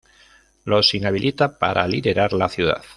los inhabilita para liderar la ciudad